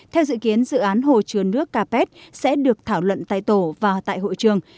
theo dự kiến dự án hồ chứa nước capet sẽ được thảo luận tại tổ và tại hội trường